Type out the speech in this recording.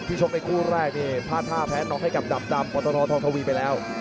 ที่ชมในคู่แรกเนี่ยพลาดท่าแพ้นออกให้กับดำพอทธทองทวีไปแล้ว